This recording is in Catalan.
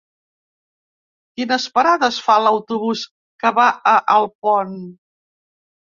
Quines parades fa l'autobús que va a Alpont?